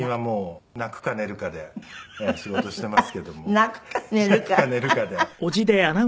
泣くか寝るかで。